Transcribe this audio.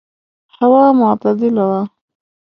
هوا معتدله وه.